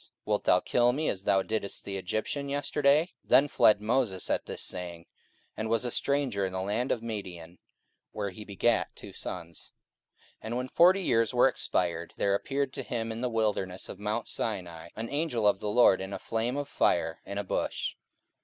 44:007:028 Wilt thou kill me, as thou diddest the Egyptian yesterday? 44:007:029 Then fled Moses at this saying, and was a stranger in the land of Madian, where he begat two sons. 44:007:030 And when forty years were expired, there appeared to him in the wilderness of mount Sina an angel of the Lord in a flame of fire in a bush.